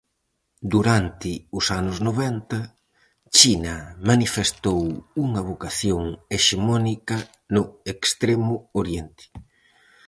Durante os anos noventa, China manifestou unha vocación hexemónica no Extremo Oriente.